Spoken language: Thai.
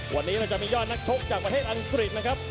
วันนี้เราจะมียอดนักชกจากประเทศอังกฤษนะครับ